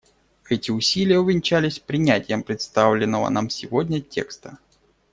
Эти усилия увенчались принятием представленного нам сегодня текста.